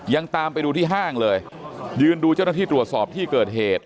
ยังตามไปดูที่ห้างเลยยืนดูเจ้าหน้าที่ตรวจสอบที่เกิดเหตุ